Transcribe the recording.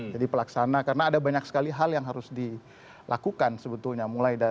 jadi pelaksana karena ada banyak sekali hal yang harus dilakukan sebetulnya